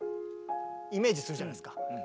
イメージするじゃないですか。